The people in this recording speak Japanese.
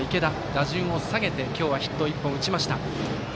打順を下げて今日はヒット１本打ちました。